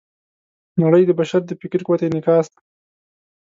نړۍ د بشر د فکري قوت انعکاس دی.